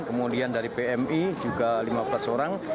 kemudian dari pmi juga lima belas orang